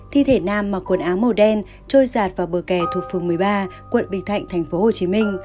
thi thể nam mặc quần áo màu đen trôi rạt vào bờ kè thuộc phường một mươi ba quận bình thạnh tp hcm